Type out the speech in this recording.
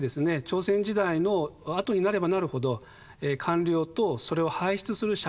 朝鮮時代のあとになればなるほど官僚とそれを輩出する社会階層